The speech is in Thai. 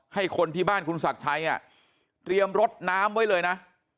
ให้คนที่บ้านคุณศักดิ์ชัยเตรียมรถน้ำไว้เลยนะ